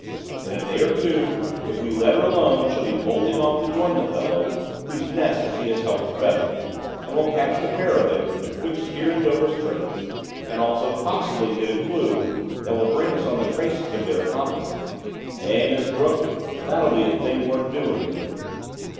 In a day or two, if we let her alone, she'll be bolting off to join the fellow whose nest she has helped to feather, and we shall catch the pair of them 'twixt here and Dover Straits, and also possibly get a clue that will bring us on the traces of their accomplices. Eh, Miss Brooke, that'll be a thing worth doing?"